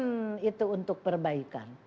ada tren itu untuk perbaikan